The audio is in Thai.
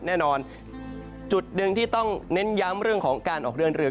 แน่นอนจุดหนึ่งที่ต้องเน้นย้ำเรื่องของการออกเดินเรือ